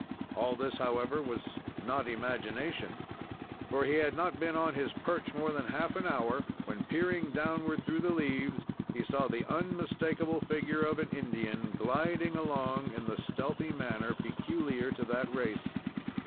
All this, however, was not imagination; for he had not been on his perch more than half an hour, when, peering downward through the leaves, he saw the unmistakable figure of an Indian, gliding along in the stealthy manner peculiar to that race.